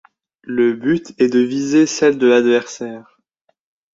Le but est de vider celles de l'adversaire.